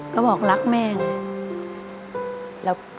ก็บอกรักแม่ไง